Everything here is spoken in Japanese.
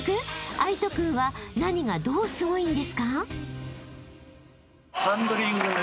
藍仁君は何がどうすごいんですか？］